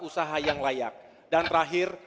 usaha yang layak dan terakhir